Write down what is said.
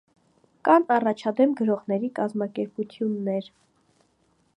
Կան առաջադեմ գրողների կազմակերպություններ։